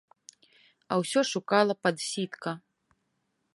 А ўсё шукала падсітка.